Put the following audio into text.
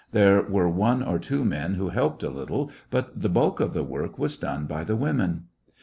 There were one or two men who helped a little^ but the bulk of the work was done by the women.